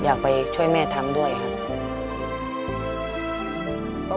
อยากไปช่วยแม่ทำด้วยครับ